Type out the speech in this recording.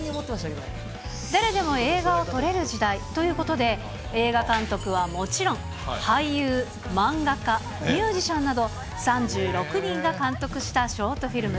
誰でも映画を撮れる時代ということで、映画監督はもちろん、俳優、漫画家、ミュージシャンなど、３６人が監督したショートフィルム。